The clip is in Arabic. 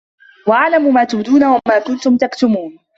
وَأَعْلَمُ مَا تُبْدُونَ وَمَا كُنْتُمْ تَكْتُمُونَ